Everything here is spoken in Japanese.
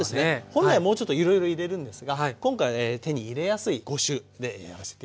本来もうちょっといろいろ入れるんですが今回手に入れやすい５種でやらせて頂ければ。